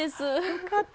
よかった。